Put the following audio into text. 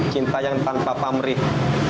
cinta yang tanpa pamrih